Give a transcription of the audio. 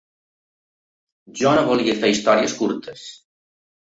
Jo no volia fer històries curtes.